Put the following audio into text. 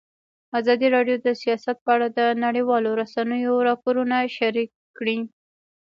ازادي راډیو د سیاست په اړه د نړیوالو رسنیو راپورونه شریک کړي.